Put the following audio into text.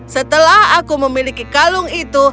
setelah aku memiliki kalung itu